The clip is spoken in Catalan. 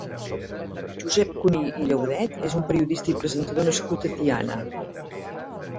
Josep Cuní i Llaudet és un periodista i presentador nascut a Tiana.